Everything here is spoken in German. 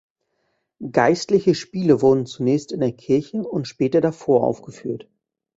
Geistliche Spiele wurden zunächst in der Kirche und später davor aufgeführt.